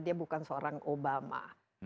dia bukan seorang obama